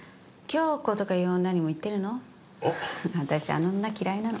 私あの女嫌いなの。